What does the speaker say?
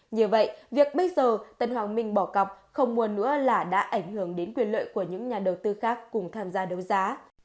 như vậy việc bây giờ tân hoàng minh bỏ cọc không mua nữa là đã ảnh hưởng đến quyền lợi của những nhà đầu tư khác cùng tham gia đấu giá